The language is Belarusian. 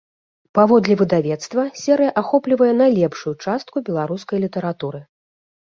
Паводле выдавецтва, серыя ахоплівае найлепшую частку беларускай літаратуры.